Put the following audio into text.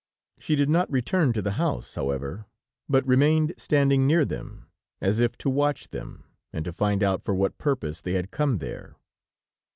She did not return to the house, however, but remained standing near them, as if to watch them and to find out for what purpose they had come there.